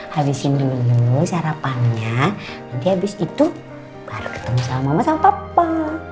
habisin dulu sarapannya nanti habis itu baru ketemu sama mama sama papa